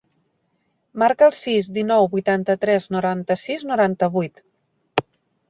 Marca el sis, dinou, vuitanta-tres, noranta-sis, noranta-vuit.